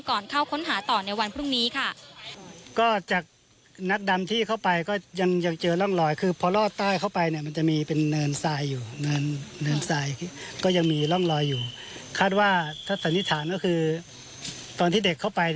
ก่อนเข้าค้นหาต่อในวันพรุ่งนี้ค่ะ